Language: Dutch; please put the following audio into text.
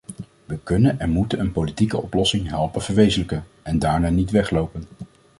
We kunnen en moeten een politieke oplossing helpen verwezenlijken en daarna niet weglopen.